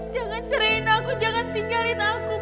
jangan cairin aku jangan tinggalin aku mas